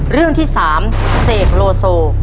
เรื่องที่๓เสกโลโซ